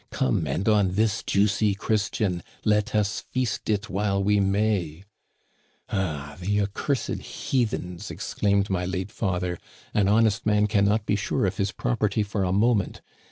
Come, and on this juicy Christian Let us feast it while we may !""' Ah ! the accursed heathens,' exclaimed my late father, * an honest man can not be sure of his property for a moment!